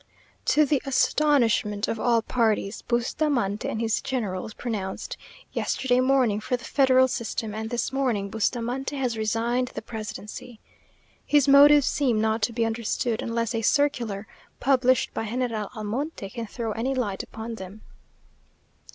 To the astonishment of all parties, Bustamante and his generals pronounced yesterday morning for the federal system, and this morning Bustamante has resigned the presidency. His motives seem not to be understood, unless a circular, published by General Almonte, can throw any light upon them.